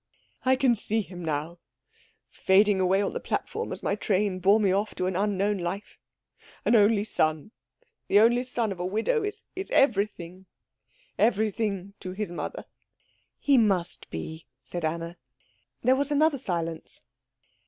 "I can see him now, fading away on the platform as my train bore me off to an unknown life. An only son the only son of a widow is everything, everything to his mother." "He must be," said Anna. There was another silence.